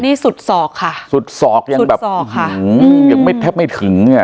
นี่สุดศอกค่ะสุดศอกยังแบบสุดศอกค่ะหื้อยังไม่แทบไม่ถึงอ่ะ